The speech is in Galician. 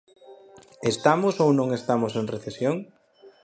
¿Estamos ou non estamos en recesión?